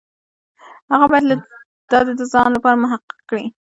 هغه باید دا د ځان لپاره محقق کړي.